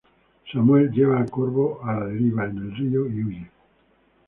Samuel lleva a Corvo a la deriva en el río y huye.